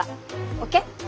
ＯＫ？